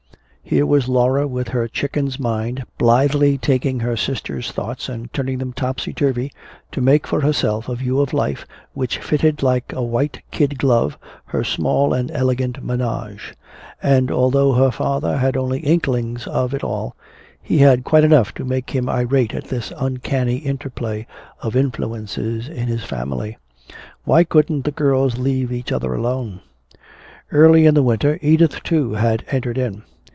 Here was Laura with her chicken's mind blithely taking her sister's thoughts and turning them topsy turvy, to make for herself a view of life which fitted like a white kid glove her small and elegant "ménage." And although her father had only inklings of it all, he had quite enough to make him irate at this uncanny interplay of influences in his family. Why couldn't the girls leave each other alone? Early in the winter, Edith, too, had entered in.